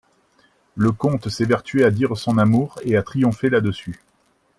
Le comte s'évertuait à dire son amour, et à triompher là-dessus.